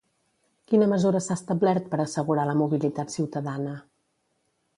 Quina mesura s'ha establert per assegurar la mobilitat ciutadana?